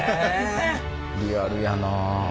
リアルやなあ。